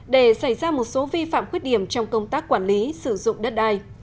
để xảy ra một số vi phạm khuyết điểm trong công tác quản lý sử dụng đất đai